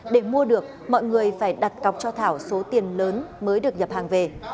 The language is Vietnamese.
để mua được mọi người phải đặt cọc cho thảo số tiền lớn mới được nhập hàng về